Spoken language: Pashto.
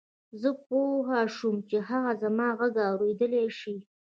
زه پوه شوم چې هغه زما غږ اورېدلای شي